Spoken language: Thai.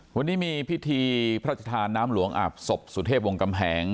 วันนี้มีพิธีพระชธาน้ำหลวงอาบศพสุเทพวงกำแหง